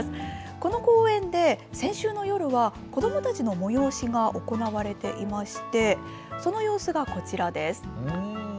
この公園で先週の夜は、子どもたちの催しが行われていまして、その様子がこちらです。